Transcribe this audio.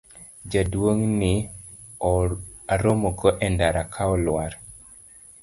jaduong' ni aromogo e ndara ka olwar